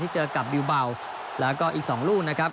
เจอกับบิวเบาแล้วก็อีก๒ลูกนะครับ